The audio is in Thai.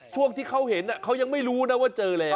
ช่วงที่เขาเห็นเขายังไม่รู้นะว่าเจอแล้ว